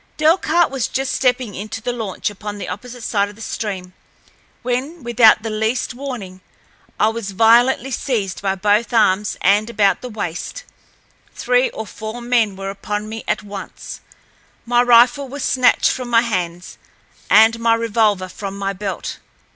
Delcarte was just stepping into the launch upon the opposite side of the stream, when, without the least warning, I was violently seized by both arms and about the waist—three or four men were upon me at once; my rifle was snatched from my hands and my revolver from my belt.